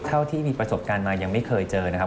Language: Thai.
เท่าที่มีประสบการณ์มายังไม่เคยเจอนะครับ